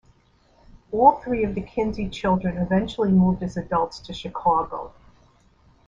All three of the Kinzie children eventually moved as adults to Chicago.